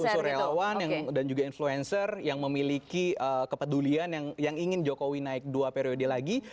justru relawan dan juga influencer yang memiliki kepedulian yang ingin jokowi naik dua periode lagi